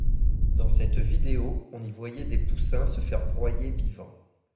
Dans cette vidéo, on y voyait des poussins se faire broyer vivants.